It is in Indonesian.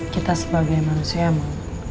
kita sebagai manusia emang